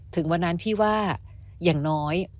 ถึงวันนั้นพี่ว่าอย่างน้อย